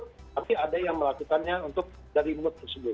tapi ada yang melakukannya untuk dari mood tersebut